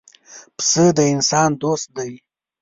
پسه د انسان دوست دی.